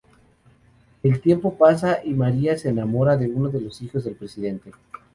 El tiempo pasa y "María" se enamora de uno de los hijos del presidente.